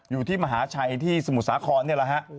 อยู่ที่มหาชัยที่สมุทรสาครนี่แหละฮะ